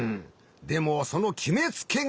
でもそのきめつけが。